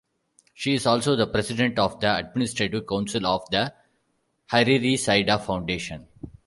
She is also the president of the administrative council of the Hariri-Saida foundation.